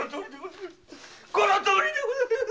このとおりでございます。